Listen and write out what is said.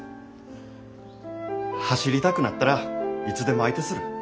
走りたくなったらいつでも相手する。